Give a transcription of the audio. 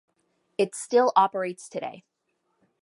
It still operates today.